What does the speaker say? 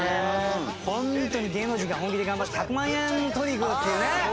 ホントに芸能人が本気で頑張って１００万円取りに行くっていうね。